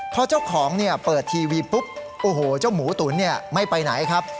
พอเจ้าของเปิดทีวีปุ๊บโอ้โหเจ้าหมูตุ๋นไม่ไปไหนครับ